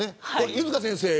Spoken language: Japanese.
犬塚先生。